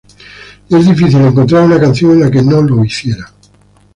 Y es difícil encontrar una canción en la que no lo hizo...